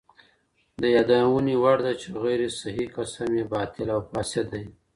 د يادوني وړ ده، چي غير صحيح قسم ئې باطل او فاسد دی.